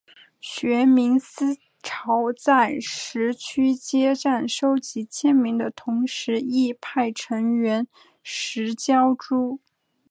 学民思潮在十区街站收集签名的同时亦派成员拾胶珠。